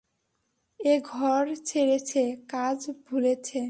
এ ঘর ছেড়েছে, কাজ ভুলেছে।